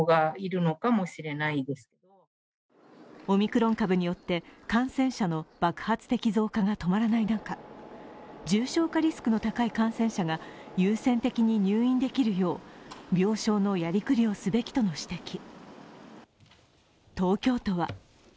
オミクロン株によって、感染者の爆発的増加が止まらない中重症化リスクの高い感染者が優先的に入院できるよう病床のやりくりをすべきとの指摘。